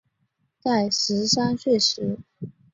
在十三岁时